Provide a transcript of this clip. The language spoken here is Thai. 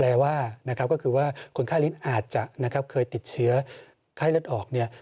แปลว่านะครับก็คือว่าคนไข้ลิ้นอาจจะนะครับเคยติดเชื้อไข้เลือดออกเนี่ย